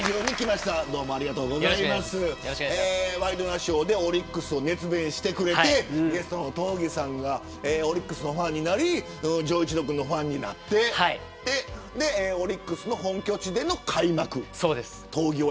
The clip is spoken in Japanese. ワイドナショーでオリックスを熱弁してくれてゲストの東儀さんがオリックスファンになって丈一郎君のファンになってオリックスの本拠地での開幕戦。